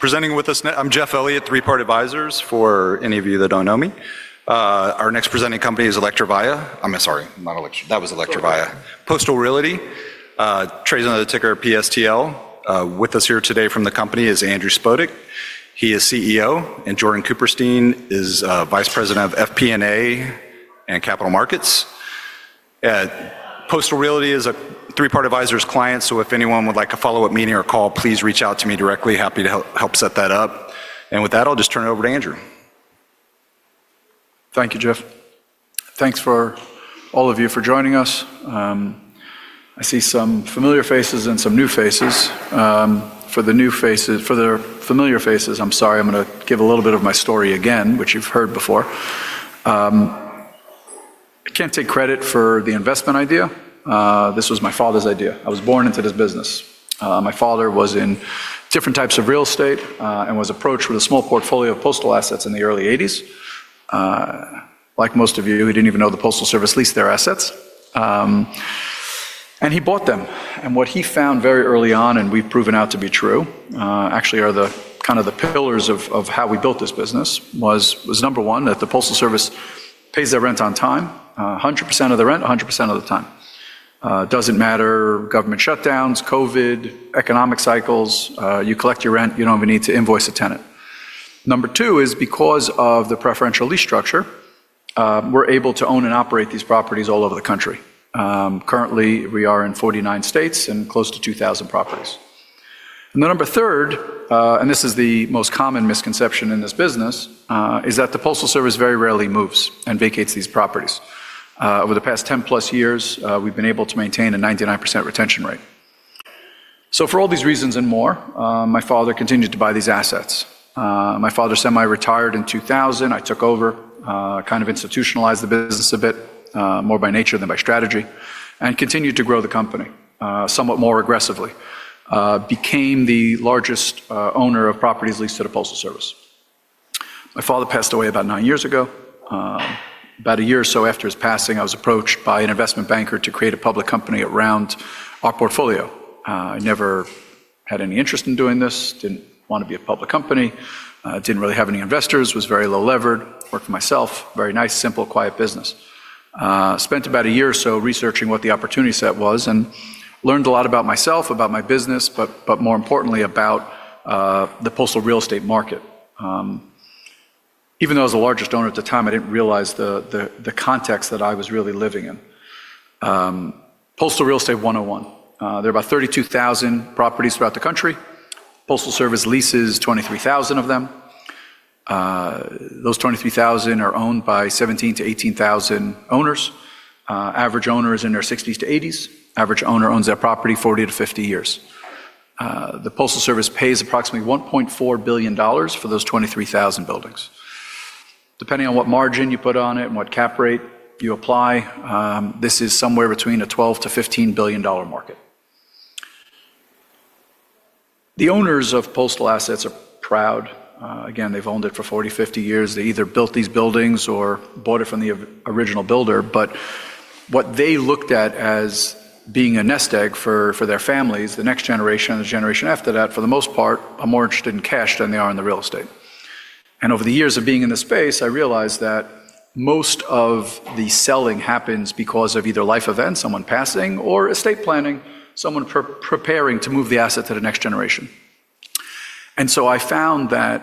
Presenting with us next, I'm Jeff Elliott at Three Part Advisors, for any of you that don't know me. Our next presenting company is Electravia. I'm sorry, not Electra. That was Electravia. Postal Realty, trades under the ticker PSTL. With us here today from the company is Andrew Spodek. He is CEO, and Jordan Cooperstein is Vice President of FP&A and Capital Markets. Postal Realty is a Three Part Advisors client, so if anyone would like a follow-up meeting or call, please reach out to me directly. Happy to help set that up. With that, I'll just turn it over to Andrew. Thank you, Jeff. Thanks for all of you for joining us. I see some familiar faces and some new faces. For the new faces, for the familiar faces, I'm sorry, I'm going to give a little bit of my story again, which you've heard before. I can't take credit for the investment idea. This was my father's idea. I was born into this business. My father was in different types of real estate and was approached with a small portfolio of postal assets in the early 1980s. Like most of you, he didn't even know the Postal Service leased their assets. And he bought them. What he found very early on, and we've proven out to be true, actually are the kind of the pillars of how we built this business, was number one, that the Postal Service pays their rent on time, 100% of the rent, 100% of the time. It doesn't matter government shutdowns, COVID, economic cycles, you collect your rent, you don't even need to invoice a tenant. Number two is because of the preferential lease structure, we're able to own and operate these properties all over the country. Currently, we are in 49 states and close to 2,000 properties. Number third, and this is the most common misconception in this business, is that the Postal Service very rarely moves and vacates these properties. Over the past 10-plus years, we've been able to maintain a 99% retention rate. For all these reasons and more, my father continued to buy these assets. My father semi-retired in 2000. I took over, kind of institutionalized the business a bit, more by nature than by strategy, and continued to grow the company somewhat more aggressively. Became the largest owner of properties leased to the Postal Service. My father passed away about nine years ago. About a year or so after his passing, I was approached by an investment banker to create a public company around our portfolio. I never had any interest in doing this, did not want to be a public company, did not really have any investors, was very low-levered, worked for myself, very nice, simple, quiet business. Spent about a year or so researching what the opportunity set was and learned a lot about myself, about my business, but more importantly, about the Postal real estate market. Even though I was the largest owner at the time, I didn't realize the context that I was really living in. Postal real estate 101. There are about 32,000 properties throughout the country. Postal Service leases 23,000 of them. Those 23,000 are owned by 17,000-18,000 owners. Average owner is in their 60s-80s. Average owner owns that property 40-50 years. The Postal Service pays approximately $1.4 billion for those 23,000 buildings. Depending on what margin you put on it and what cap rate you apply, this is somewhere between a $12 billion-$15 billion market. The owners of Postal assets are proud. Again, they've owned it for 40-50 years. They either built these buildings or bought it from the original builder. What they looked at as being a nest egg for their families, the next generation and the generation after that, for the most part, are more interested in cash than they are in the real estate. Over the years of being in the space, I realized that most of the selling happens because of either life events, someone passing, or estate planning, someone preparing to move the asset to the next generation. I found that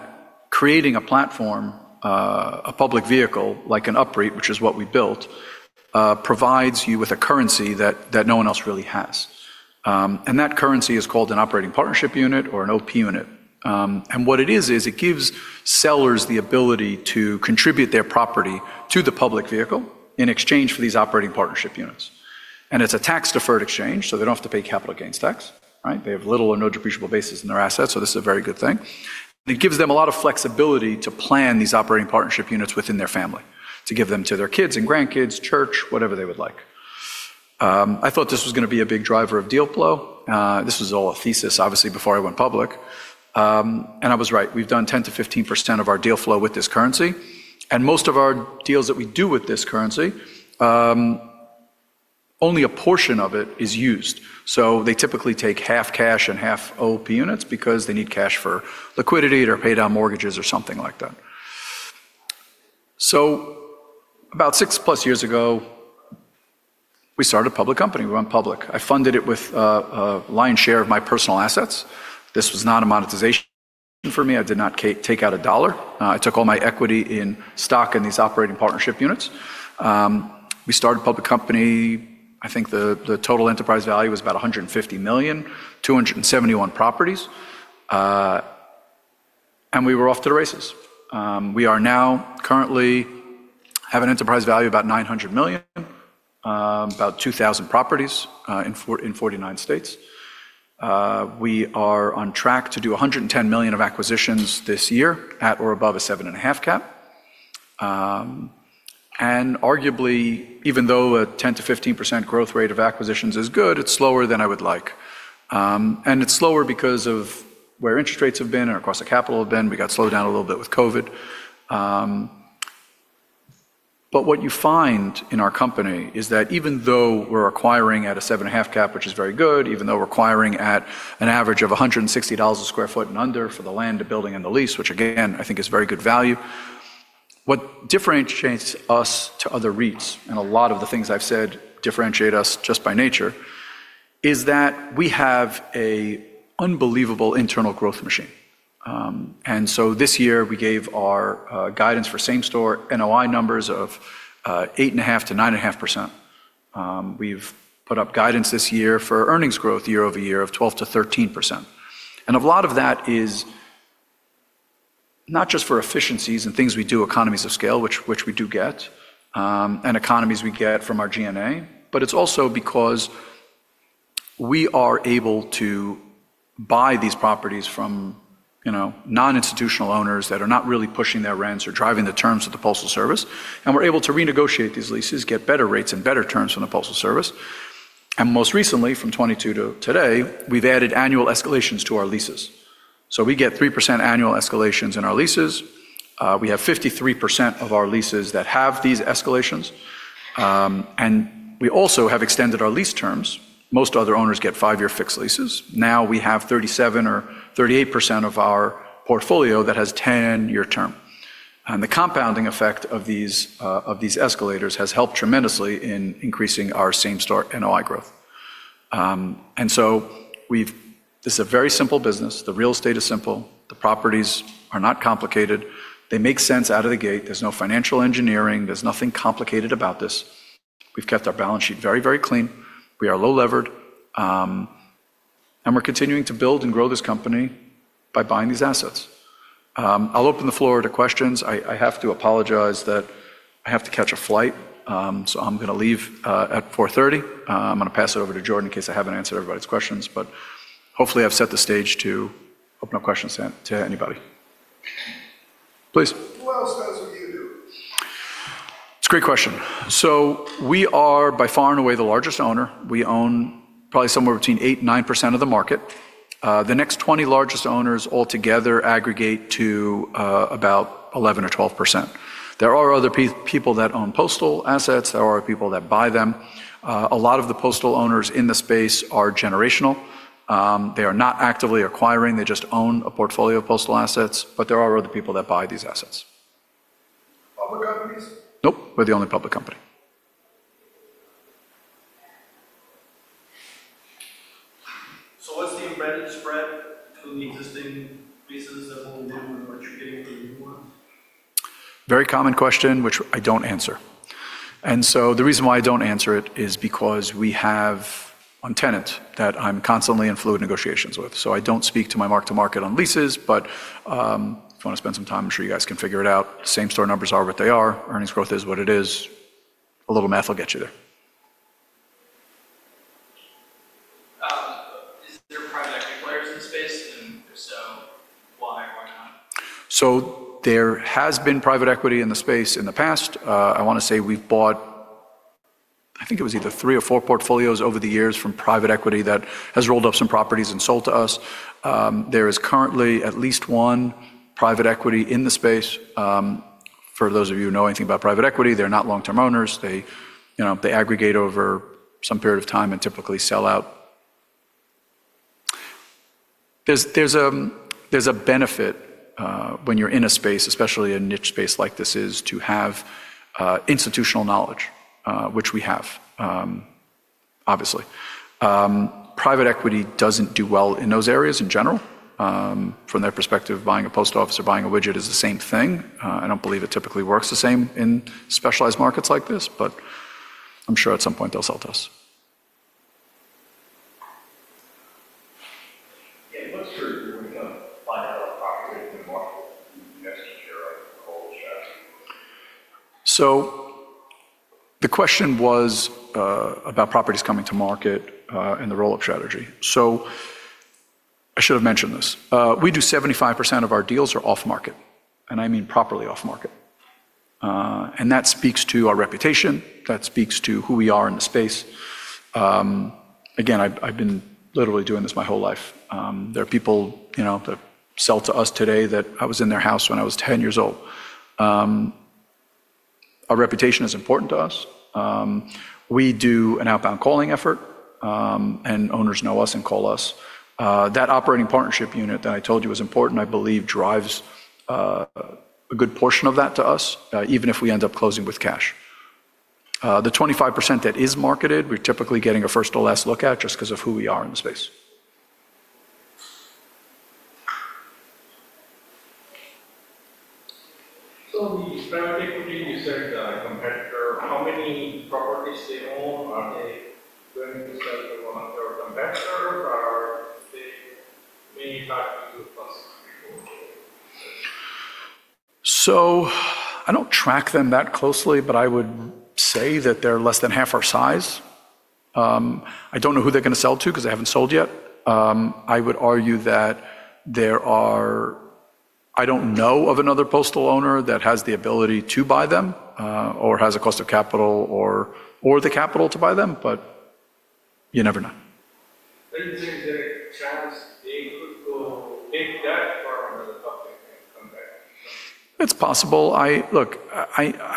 creating a platform, a public vehicle like an UpReit, which is what we built, provides you with a currency that no one else really has. That currency is called an operating partnership unit or an OP unit. What it is, is it gives sellers the ability to contribute their property to the public vehicle in exchange for these operating partnership units. It is a tax-deferred exchange, so they do not have to pay capital gains tax. They have little or no depreciable basis in their assets, so this is a very good thing. It gives them a lot of flexibility to plan these operating partnership units within their family, to give them to their kids and grandkids, church, whatever they would like. I thought this was going to be a big driver of deal flow. This was all a thesis, obviously, before I went public. I was right. We have done 10%-15% of our deal flow with this currency. Most of our deals that we do with this currency, only a portion of it is used. They typically take half cash and half OP units because they need cash for liquidity or to pay down mortgages or something like that. About 6+ years ago, we started a public company. We went public. I funded it with a lion's share of my personal assets. This was not a monetization for me. I did not take out a dollar. I took all my equity in stock in these operating partnership units. We started a public company. I think the total enterprise value was about $150 million, 271 properties. We were off to the races. We now currently have an enterprise value of about $900 million, about 2,000 properties in 49 states. We are on track to do $110 million of acquisitions this year at or above a 7.5% cap. Arguably, even though a 10%-15% growth rate of acquisitions is good, it is slower than I would like. It is slower because of where interest rates have been and across the capital have been. We got slowed down a little bit with COVID. What you find in our company is that even though we're acquiring at a 7.5% cap, which is very good, even though we're acquiring at an average of $160 a square foot and under for the land, the building, and the lease, which again, I think is very good value, what differentiates us to other REITs, and a lot of the things I've said differentiate us just by nature, is that we have an unbelievable internal growth machine. This year, we gave our guidance for same-store NOI numbers of 8.5%-9.5%. We've put up guidance this year for earnings growth year over year of 12%-13%. A lot of that is not just for efficiencies and things we do, economies of scale, which we do get, and economies we get from our G&A, but it is also because we are able to buy these properties from non-institutional owners that are not really pushing their rents or driving the terms of the Postal Service. We are able to renegotiate these leases, get better rates and better terms from the Postal Service. Most recently, from 2022 to today, we have added annual escalations to our leases. We get 3% annual escalations in our leases. We have 53% of our leases that have these escalations. We have also extended our lease terms. Most other owners get five-year fixed leases. Now we have 37%-38% of our portfolio that has a 10-year term. The compounding effect of these escalators has helped tremendously in increasing our same-store NOI growth. This is a very simple business. The real estate is simple. The properties are not complicated. They make sense out of the gate. There is no financial engineering. There is nothing complicated about this. We have kept our balance sheet very, very clean. We are low-levered. We are continuing to build and grow this company by buying these assets. I will open the floor to questions. I have to apologize that I have to catch a flight, so I am going to leave at 4:30. I am going to pass it over to Jordan in case I have not answered everybody's questions. Hopefully, I have set the stage to open up questions to anybody. Please. Who else does what you do? It's a great question. We are by far and away the largest owner. We own probably somewhere between 8% and 9% of the market. The next 20 largest owners altogether aggregate to about 11% or 12%. There are other people that own Postal assets. There are people that buy them. A lot of the Postal owners in the space are generational. They are not actively acquiring. They just own a portfolio of Postal assets. There are other people that buy these assets. Public companies? Nope. We're the only public company. What's the embedded spread to the existing leases that won't deal with what you're getting for the new ones? Very common question, which I don't answer. The reason why I don't answer it is because we have one tenant that I'm constantly in fluid negotiations with. I don't speak to my mark-to-market on leases. If you want to spend some time, I'm sure you guys can figure it out. same-store numbers are what they are. Earnings growth is what it is. A little math will get you there. Is there private equity players in the space? If so, why or why not? There has been private equity in the space in the past. I want to say we've bought, I think it was either three or four portfolios over the years from private equity that has rolled up some properties and sold to us. There is currently at least one private equity in the space. For those of you who know anything about private equity, they're not long-term owners. They aggregate over some period of time and typically sell out. There's a benefit when you're in a space, especially a niche space like this is, to have institutional knowledge, which we have, obviously. Private equity doesn't do well in those areas in general. From their perspective, buying a Post Office or buying a widget is the same thing. I don't believe it typically works the same in specialized markets like this. I'm sure at some point they'll sell to us. What's your view when you find out what properties are going to market and you guys can share a role strategy? The question was about properties coming to market and the roll-up strategy. I should have mentioned this. We do 75% of our deals are off-market. I mean properly off-market. That speaks to our reputation. That speaks to who we are in the space. Again, I've been literally doing this my whole life. There are people that sell to us today that I was in their house when I was 10 years old. Our reputation is important to us. We do an outbound calling effort. Owners know us and call us. That operating partnership unit that I told you was important, I believe, drives a good portion of that to us, even if we end up closing with cash. The 25% that is marketed, we're typically getting a first-to-last look at just because of who we are in the space. The private equity, you said a competitor. How many properties do they own, are they going to sell to one of your competitors, or do they manufacture to a postal company? I do not track them that closely, but I would say that they are less than half our size. I do not know who they are going to sell to because they have not sold yet. I would argue that there are, I do not know of another Postal owner that has the ability to buy them or has a cost of capital or the capital to buy them. You never know. You're saying that [audio disruption]s maybe could go get that from another company and come back? It's possible. Look,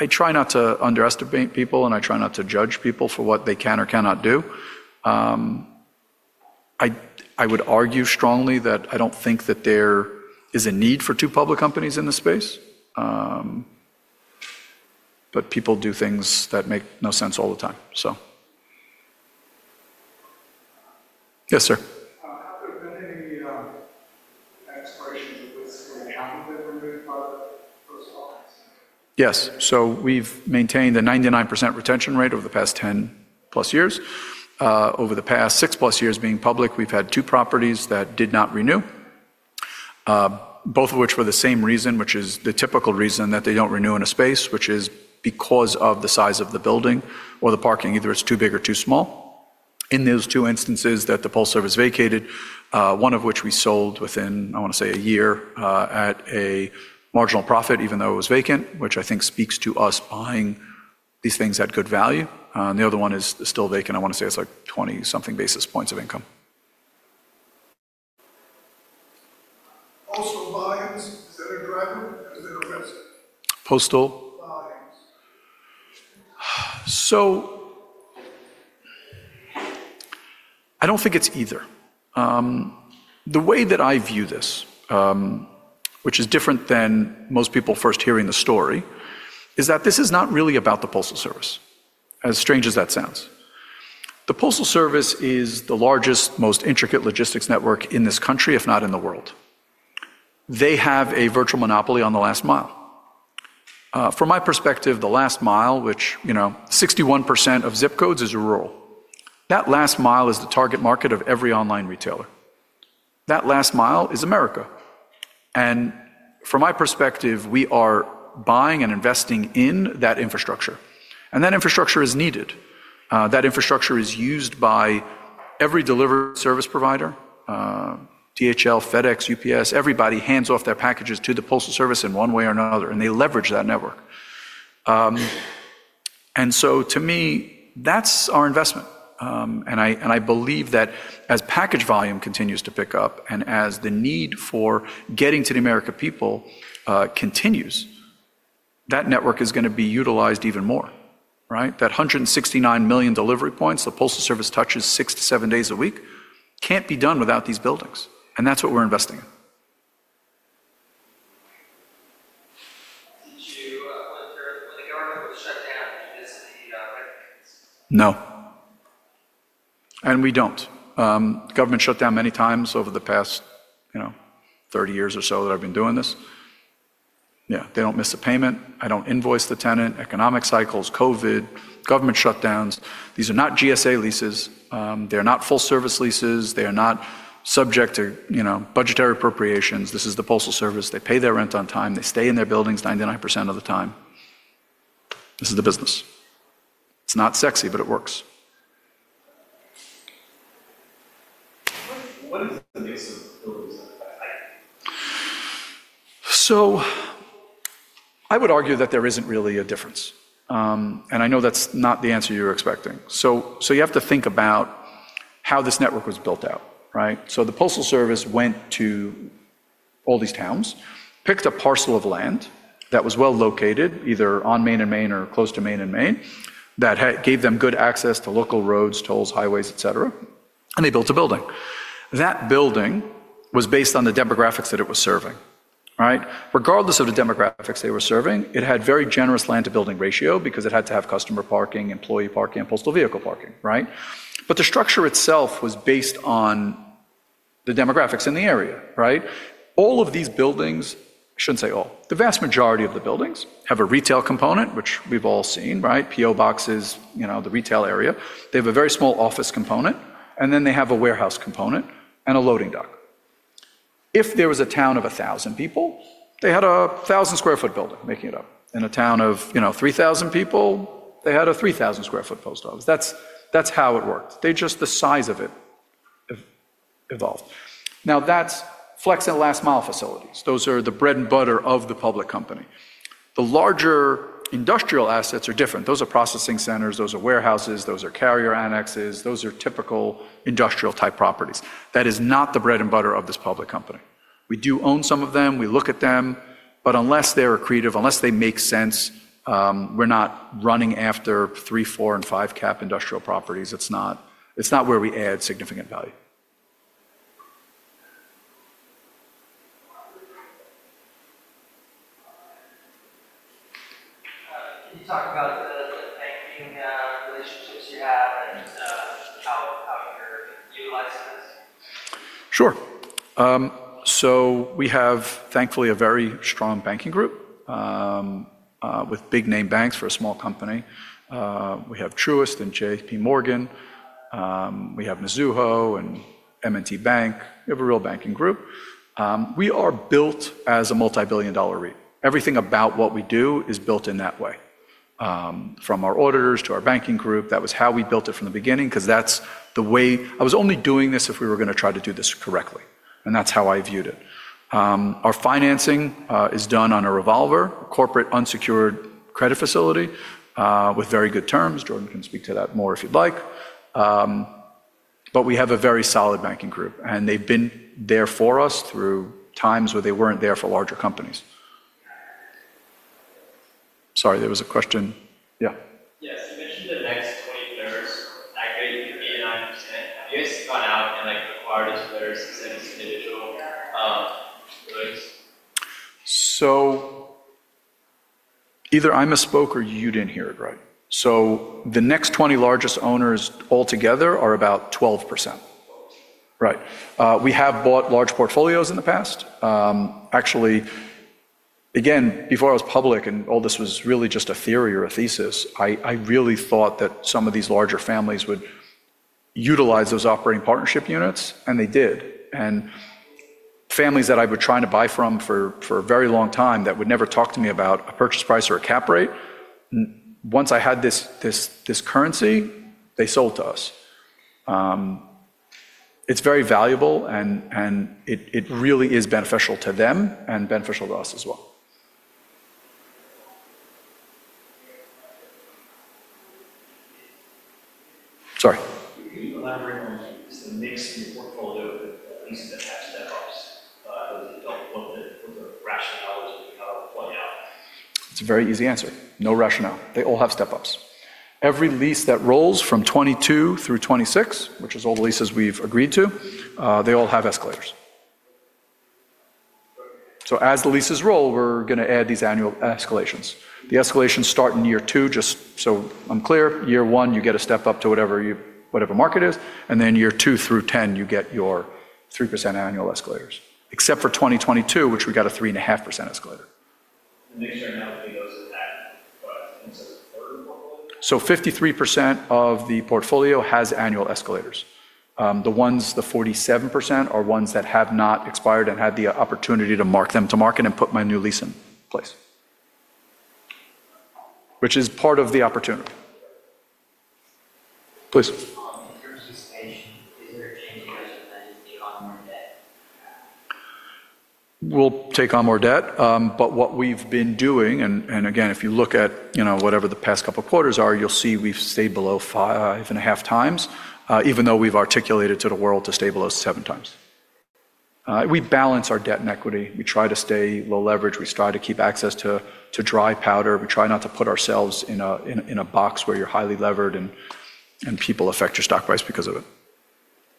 I try not to underestimate people, and I try not to judge people for what they can or cannot do. I would argue strongly that I don't think that there is a need for two public companies in the space. People do things that make no sense all the time, so. Yes, sir. Have there been any expirations of leases or accounting that were made by the Postal office? Yes. We have maintained a 99% retention rate over the past 10-plus years. Over the past six-plus years being public, we have had two properties that did not renew, both of which for the same reason, which is the typical reason that they do not renew in a space, which is because of the size of the building or the parking, either it is too big or too small. In those two instances that the Postal Service vacated, one of which we sold within, I want to say, a year at a marginal profit even though it was vacant, which I think speaks to us buying these things at good value. The other one is still vacant. I want to say it is like 20-something basis points of income. Postal buyings, is that a driver or is that a risk? Postal. Buyings. I don't think it's either. The way that I view this, which is different than most people first hearing the story, is that this is not really about the Postal service, as strange as that sounds. The Postal service is the largest, most intricate logistics network in this country, if not in the world. They have a virtual monopoly on the last mile. From my perspective, the last mile, which 61% of ZIP codes is rural, that last mile is the target market of every online retailer. That last mile is America. From my perspective, we are buying and investing in that infrastructure. That infrastructure is needed. That infrastructure is used by every delivery service provider, DHL, FedEx, UPS, everybody hands off their packages to the Postal service in one way or another. They leverage that network. To me, that's our investment. I believe that as package volume continues to pick up and as the need for getting to the American people continues, that network is going to be utilized even more. That 169 million delivery points the Postal Service touches six to seven days a week cannot be done without these buildings. That is what we are investing in. Did you want to hear when the government would shut down because of the red lines? No. And we do not. The government shut down many times over the past 30 years or so that I have been doing this. Yeah, they do not miss a payment. I do not invoice the tenant. Economic cycles, COVID, government shutdowns. These are not GSA leases. They are not full-service leases. They are not subject to budgetary appropriations. This is the Postal Service. They pay their rent on time. They stay in their buildings 99% of the time. This is the business. It is not sexy, but it works. What is the base of those? I would argue that there isn't really a difference. I know that's not the answer you're expecting. You have to think about how this network was built out. The Postal Service went to all these towns, picked a parcel of land that was well located, either on Main and Main or close to Main and Main, that gave them good access to local roads, tolls, highways, et cetera. They built a building. That building was based on the demographics that it was serving. Regardless of the demographics they were serving, it had a very generous land-to-building ratio because it had to have customer parking, employee parking, and Postal vehicle parking. The structure itself was based on the demographics in the area. All of these buildings—I shouldn't say all. The vast majority of the buildings have a retail component, which we've all seen, PO boxes, the retail area. They have a very small office component. They have a warehouse component and a loading dock. If there was a town of 1,000 people, they had a 1,000 sq ft building making it up. In a town of 3,000 people, they had a 3,000 sq ft Postal office. That's how it worked. The size of it evolved. Now, that's flex and last-mile facilities. Those are the bread and butter of the public company. The larger industrial assets are different. Those are processing centers. Those are warehouses. Those are carrier annexes. Those are typical industrial-type properties. That is not the bread and butter of this public company. We do own some of them. We look at them. Unless they're accretive, unless they make sense, we're not running after three, four, and five-cap industrial properties. It's not where we add significant value. Can you talk about the banking relationships you have and how you're utilizing this? Sure. We have, thankfully, a very strong banking group with big-name banks for a small company. We have Truist and JP Morgan. We have Mizuho and M&T Bank. We have a real banking group. We are built as a multi-billion dollar REIT. Everything about what we do is built in that way, from our auditors to our banking group. That was how we built it from the beginning because that's the way I was only doing this if we were going to try to do this correctly. That's how I viewed it. Our financing is done on a revolver, a corporate unsecured credit facility with very good terms. Jordan can speak to that more if you'd like. We have a very solid banking group. They've been there for us through times where they weren't there for larger companies. Sorry, there was a question. Yeah. Yes. You mentioned the next 20 years aggregating 89%. Have you guys gone out and acquired as a large 70-digit loans? Either I misspoke or you didn't hear it right. The next 20 largest owners altogether are about 12%. Right. We have bought large portfolios in the past. Actually, again, before I was public and all this was really just a theory or a thesis, I really thought that some of these larger families would utilize those operating partnership units. And they did. Families that I've been trying to buy from for a very long time that would never talk to me about a purchase price or a cap rate, once I had this currency, they sold to us. It's very valuable. It really is beneficial to them and beneficial to us as well. Sorry. Can you elaborate on just the mix in your portfolio with leases that have step-ups? I don't know what the rationale is if you have a plug-out. It's a very easy answer. No rationale. They all have step-ups. Every lease that rolls from 2022 through 2026, which is all the leases we've agreed to, they all have escalators. As the leases roll, we're going to add these annual escalations. The escalations start in year two. Just so I'm clear, year one, you get a step-up to whatever market is. Year two through 10, you get your 3% annual escalators, except for 2022, which we got a 3.5% escalator. The mix right now with the notes of that, but in terms of the portfolio? Fifty-three percent of the portfolio has annual escalators. The ones, the 47%, are ones that have not expired and had the opportunity to mark them to market and put my new lease in place, which is part of the opportunity. Please. In terms of station, is there a change in your estimate that you'll take on more debt? We'll take on more debt. What we've been doing, and again, if you look at whatever the past couple of quarters are, you'll see we've stayed below five and a half times, even though we've articulated to the world to stay below seven times. We balance our debt and equity. We try to stay low leverage. We try to keep access to dry powder. We try not to put ourselves in a box where you're highly levered and people affect your stock price because of it.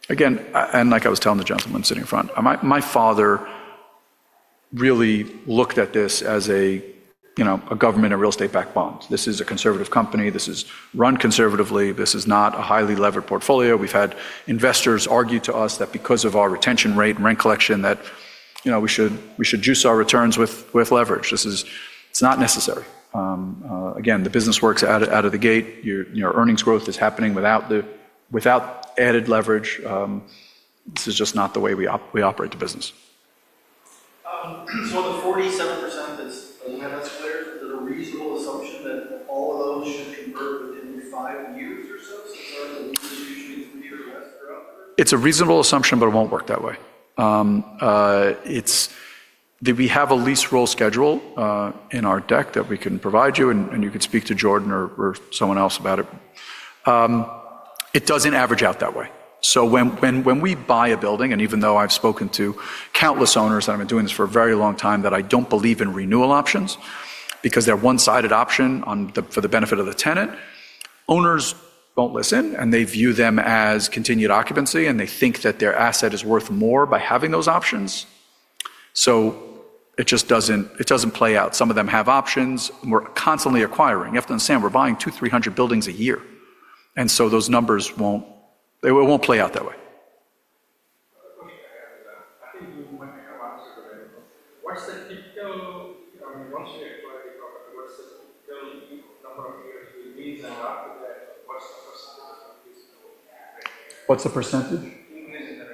Again, like I was telling the gentleman sitting in front, my father really looked at this as a government and real estate-backed bond. This is a conservative company. This is run conservatively. This is not a highly levered portfolio. We've had investors argue to us that because of our retention rate and rent collection, we should juice our returns with leverage. It's not necessary. Again, the business works out of the gate. Your earnings growth is happening without added leverage. This is just not the way we operate the business. The 47% that's under that escalator, is it a reasonable assumption that all of those should convert within five years or so? Since our lease is usually three or less throughout the year? It's a reasonable assumption, but it won't work that way. We have a lease roll schedule in our deck that we can provide you. You can speak to Jordan or someone else about it. It doesn't average out that way. When we buy a building, and even though I've spoken to countless owners that have been doing this for a very long time that I don't believe in renewal options because they're one-sided options for the benefit of the tenant, owners don't listen. They view them as continued occupancy. They think that their asset is worth more by having those options. It just doesn't play out. Some of them have options. We're constantly acquiring. You have to understand we're buying 200-300 buildings a year. Those numbers, they won't play out that way. I think you went ahead and answered the right one. What's the typical, I mean, once you acquire the property, what's the typical number of years it means? And after that, what's the percentage of lease roll? What's the percentage? In leasing the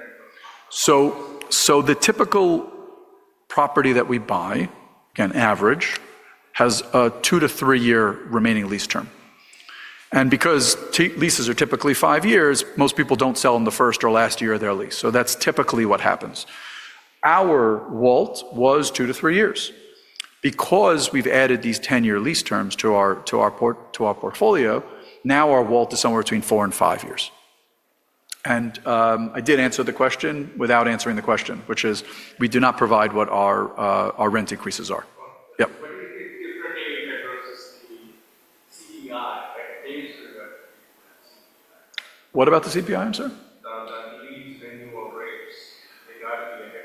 rental? The typical property that we buy, again, average, has a two to three-year remaining lease term. Because leases are typically five years, most people do not sell in the first or last year of their lease. That is typically what happens. Our WALT was two to three years. Because we have added these 10-year lease terms to our portfolio, now our WALT is somewhere between four and five years. I did answer the question without answering the question, which is we do not provide what our rent increases are. Yeah. What do you think differently versus the CPI? I think you answered about the CPI. What about the CPI, I'm sorry? Do you use manual rates regarding the ahead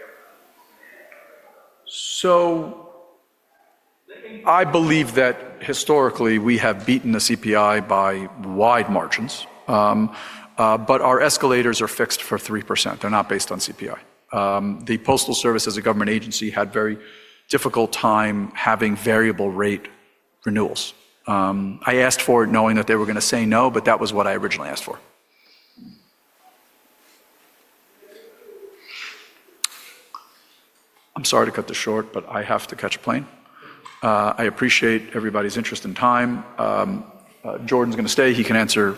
of time? I believe that historically, we have beaten the CPI by wide margins. Our escalators are fixed for 3%. They're not based on CPI. The Postal Service, as a government agency, had a very difficult time having variable-rate renewals. I asked for it knowing that they were going to say no, but that was what I originally asked for. I'm sorry to cut this short, but I have to catch a plane. I appreciate everybody's interest and time. Jordan's going to stay. He can answer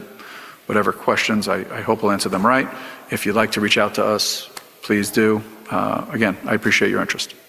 whatever questions. I hope he'll answer them right. If you'd like to reach out to us, please do. Again, I appreciate your interest. Thank you very much.